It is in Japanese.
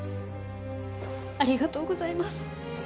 ありがとうございます。